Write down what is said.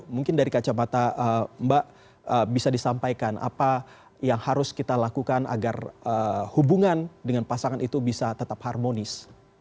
mungkin dari kacamata mbak bisa disampaikan apa yang harus kita lakukan agar hubungan dengan pasangan itu bisa tetap harmonis